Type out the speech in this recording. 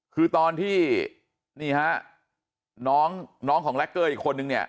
คือตอนที่นี่ฮะน้องของแรคเกอร์อีกคนนึงเนี่ย